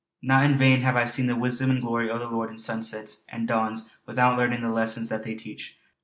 Not in vain hae I seen the wisdom and glory o' the Lord in sunsets an' dawns wi'oot learnin' the lessons that they teach.